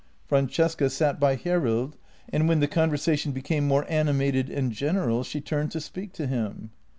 Francesca sat by Hjerrild, and when the conversation became more animated and general she turned to speak to him.